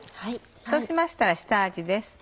そうしましたら下味です。